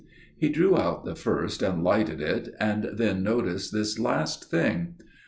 He drew out the first and lighted it, and then noticed this last thing.